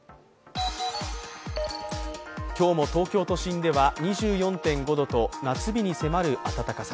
今日も東京都心では２４．５度と夏日に迫る暖かさ。